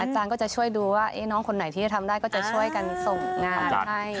อาจารย์ก็จะช่วยดูว่าน้องคนไหนที่จะทำได้ก็จะช่วยกันส่งงานให้